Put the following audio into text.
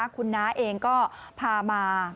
คุณน้าเองก็พามา